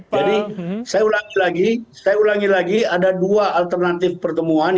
jadi saya ulangi lagi saya ulangi lagi ada dua alternatif pertemuan